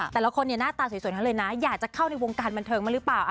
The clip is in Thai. แต่ละคนหน้าตาสวยทั้งเลยนะอยากจะเข้าในวงการบันเทิงมาหรือเปล่า